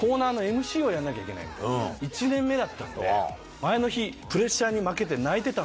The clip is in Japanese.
１年目だったんで前の日プレッシャーに負けて。